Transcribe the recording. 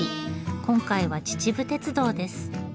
今回は秩父鉄道です。